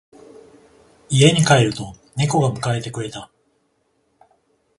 家に帰ると猫が迎えてくれた。